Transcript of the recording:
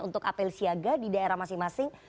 untuk apel siaga di daerah masing masing